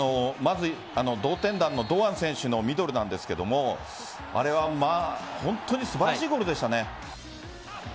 同点弾の堂安選手のミドルなんですがあれは本当に素晴らしいゴールでしたね。